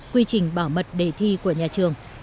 quy trình bảo mật đề thi của nhà trường